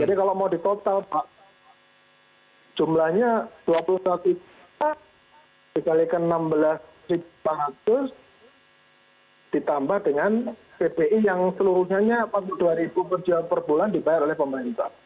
jadi kalau mau ditotal pak jumlahnya rp dua puluh satu x rp enam belas lima ratus ditambah dengan pbi yang seluruhnya rp empat puluh dua per bulan dibayar oleh pemerintah